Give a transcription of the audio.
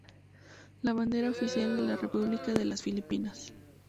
La Bandera Oficial de la República de las Filipinas.